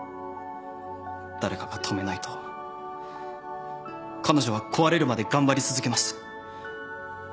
誰かが止めないと彼女は壊れるまで頑張り続けます。